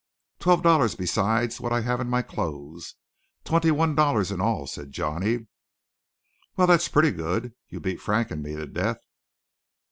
"Twelve dollars, besides what I have in my clothes twenty one dollars in all," said Johnny. "Well, that's pretty good. You beat Frank and me to death.